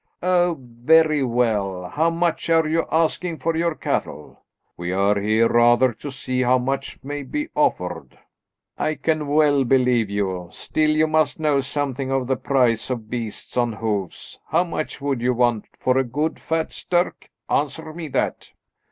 "Oh, very well. How much are you asking for your cattle?" "We are here rather to see how much may be offered." "I can well believe you. Still, you must know something of the price of beasts on hoofs. How much would you want for a good, fat stirk? Answer me that!"